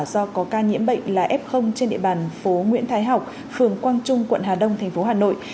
do có ca nhiễm bệnh là f trên địa bàn phố nguyễn thái học phường quang trung quận hà đông thành phố hà nội